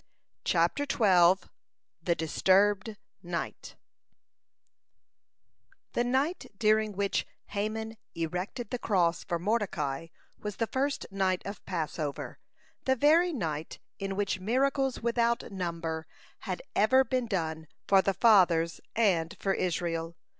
(159) THE DISTURBED NIGHT The night during which Haman erected the cross for Mordecai was the first night of Passover, the very night in which miracles without number had ever been done for the Fathers and for Israel.